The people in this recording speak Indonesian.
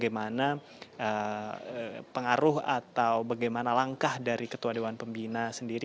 tentu saja kita harus tunggu bagaimana pengaruh atau bagaimana langkah dari ketua dewan pembina sendiri